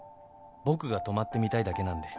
僕が泊まってみたいだけなんで。